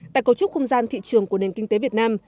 tại cầu trúc không gian thị trường của nền kinh tế việt nam